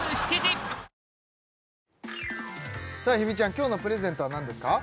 今日のプレゼントは何ですか？